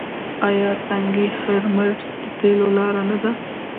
آیا تنګی هرمز د تیلو لاره نه ده؟